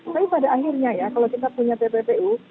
tapi pada akhirnya ya kalau kita punya tppu